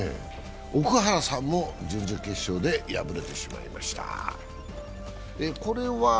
奥原さんも準々決勝で敗れてしまいました。